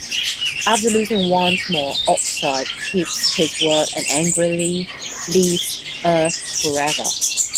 After losing once more, Oxide keeps his word and angrily leaves Earth forever.